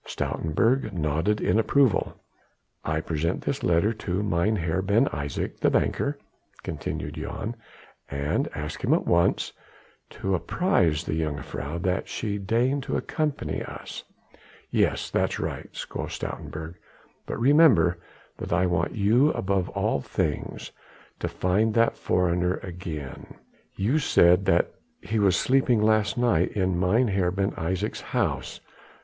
Stoutenburg nodded in approval. "I present this letter to Mynheer Ben Isaje, the banker," continued Jan, "and ask him at once to apprise the jongejuffrouw that she deign to accompany us." "Yes. That is right," quoth Stoutenburg, "but remember that I want you above all things to find that foreigner again. You said that he was sleeping last night in Mynheer Ben Isaje's house."